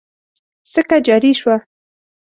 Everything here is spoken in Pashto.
سکه جاري شوه.